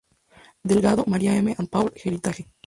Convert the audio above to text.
Delgado, Maria M., and Paul Heritage.